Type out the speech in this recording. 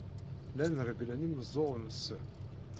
Llan regglen imeẓẓuɣen-nsen.